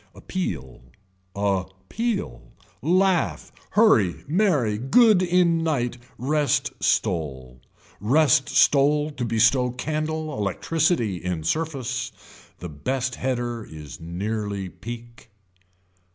Appeal, a peal, laugh, hurry merry, good in night, rest stole. Rest stole to bestow candle electricity in surface. The best header is nearly peek.